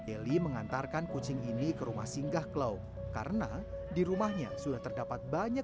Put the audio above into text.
eli mengantarkan kucing ini ke rumah singgah klau karena di rumahnya sudah terdapat banyak